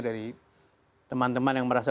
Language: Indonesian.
dari teman teman yang merasa